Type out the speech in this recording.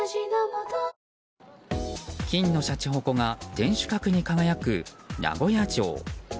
金のしゃちほこが天守閣に輝く名古屋城。